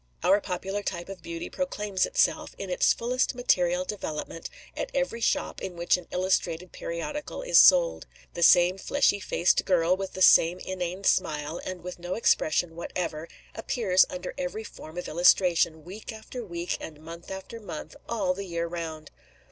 Our popular type of beauty proclaims itself, in its fullest material development, at every shop in which an illustrated periodical is sold. The same fleshy faced girl, with the same inane smile, and with no other expression whatever, appears under every form of illustration, week after week, and month after month, all the year round.